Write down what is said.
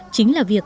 chính là việc